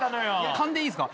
⁉勘でいいっすか？